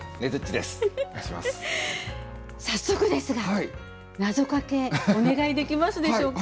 早速ですがなぞかけお願いできますでしょうか。